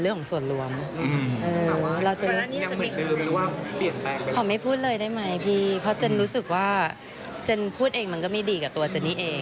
เราอยู่ด้วยกันมันนานแล้วเนอะบนองการเพราะฉะนั้น